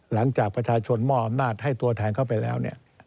หลังจากประชาชนมอบอำนาจให้ตัวแทนเข้าไปแล้ว